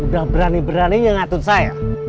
udah berani berani yang ngatut saya